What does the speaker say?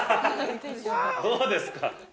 ◆どうですか。